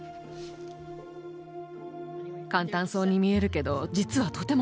簡単そうに見えるけど実はとても難しいの。